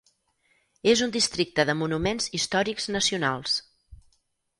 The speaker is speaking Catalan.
És un districte de Monuments Històrics Nacionals.